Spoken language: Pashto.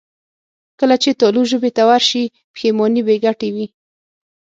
کله چې تالو ژبې له ورشي، پښېماني بېګټې وي.